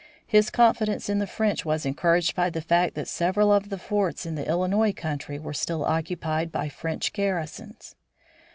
His confidence in the French was encouraged by the fact that several of the forts in the Illinois country were still occupied by French garrisons.